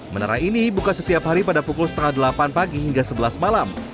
menara ini buka setiap hari pada pukul setengah delapan pagi hingga sebelas malam